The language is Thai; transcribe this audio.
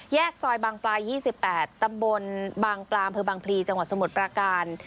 ซอยบางปลาย๒๘ตำบลบางปลามเภอบางพลีจังหวัดสมุทรประการ